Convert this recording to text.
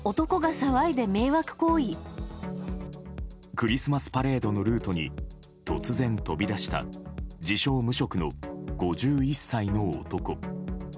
クリスマスパレードのルートに突然飛び出した自称、無職の５１歳の男。